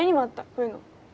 こういうの。